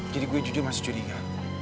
jadi gue jujur masih curiga